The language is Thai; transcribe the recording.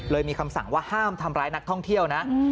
มีคำสั่งว่าห้ามทำร้ายนักท่องเที่ยวนะ